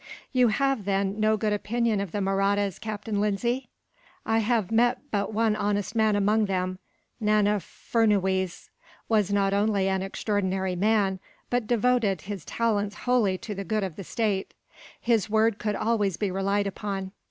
"You have, then, no good opinion of the Mahrattas, Captain Lindsay?" "I have met but one honest man among them. Nana Furnuwees was not only an extraordinary man, but devoted his talents wholly to the good of the state. His word could always be relied upon.